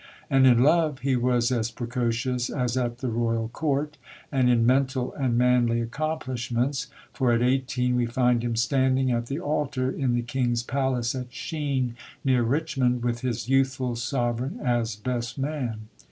And in love he was as precocious as at the Royal Court and in mental and manly accomplishments, for at eighteen we find him standing at the altar in the King's Palace at Sheen, near Richmond, with his youthful Sovereign as best man.